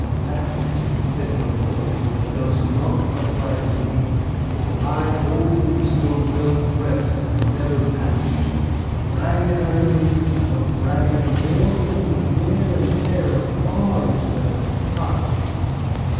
"That," said Don Quixote, "does not apply to me, for I always go well dressed and never patched; ragged I may be, but ragged more from the wear and tear of arms than of time."